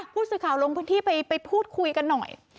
ผู้สื่อข่าวลงพื้นที่ไปพูดคุยกันหน่อย